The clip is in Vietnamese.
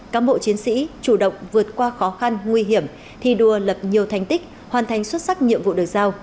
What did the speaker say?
cám bộ chiến sĩ chủ động vượt qua khó khăn nguy hiểm thi đua lập nhiều thành tích hoàn thành xuất sắc nhiệm vụ được giao